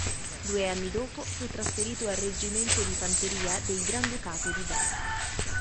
Due anni dopo fu trasferito al reggimento di fanteria del Granducato di Berg.